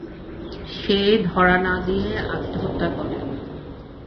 সে ধরা না দিয়ে আত্মহত্যা করে।